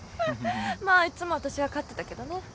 まあいっつも私が勝ってたけどね。